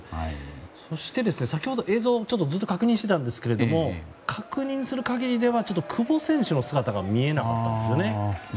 そして、先ほど映像を確認していたんですが確認する限りでは久保選手の姿が見えなかったんですよね。